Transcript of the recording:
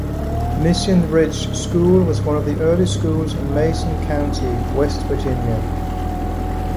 Mission Ridge School was one of the early schools in Mason County, West Virginia.